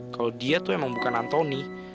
kalo dia tuh emang bukan antoni